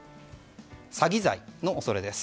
詐欺罪の恐れです。